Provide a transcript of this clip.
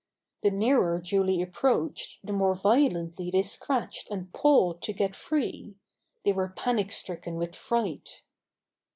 The nearer Julie ap proached the more violently they scratched and pawed to get free. They were panic stricken with fright.